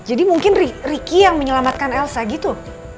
jadi mungkin ricky yang menyelamatkan elsa gitu